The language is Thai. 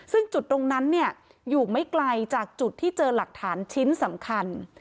ซึ่งจุดตรงนั้นอยู่ไม่ไกลจากจุดที่เจอหลักฐานชิ้นสำคัญ